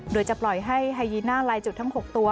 โดยจะปล่อยให้ไฮยีน่าลายจุดทั้ง๖ตัว